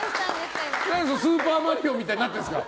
何で「スーパーマリオ」みたいになってるんですか